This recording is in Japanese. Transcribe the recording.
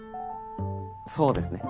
そうですね。